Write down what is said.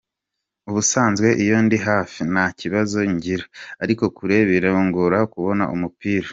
Ubusanzwe iyo ndi hafi, nta kibazo ngira, ariko kure birangora kubona umupira.